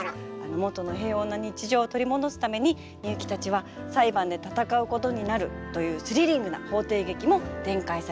元の平穏な日常を取り戻すためにミユキたちは裁判で闘うことになるというスリリングな法廷劇も展開されます。